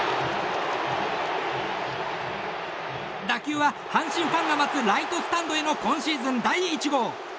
打球は阪神ファンが待つライトスタンドへの今シーズン第１号。